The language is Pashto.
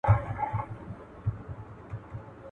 o مړی ئې غيم، زه خپل ياسين پر تېزوم.